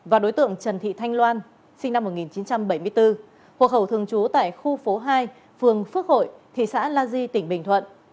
và đối tượng trần thị thanh loan sinh năm một nghìn chín trăm bảy mươi bốn hộ khẩu thường trú tại khu phố hai phường phước hội thị xã la di tỉnh bình thuận